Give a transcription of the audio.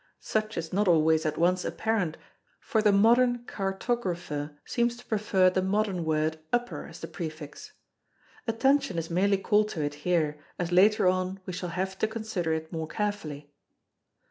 Such is not always at once apparent for the modern cartographer seems to prefer the modern word "upper" as the prefix. Attention is merely called to it here as later on we shall have to consider it more carefully.